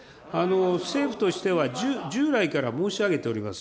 政府としては、従来から申し上げております。